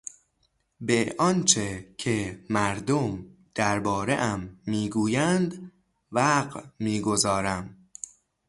به آنچه که مردم دربارهام میگویند وقع می گذارم.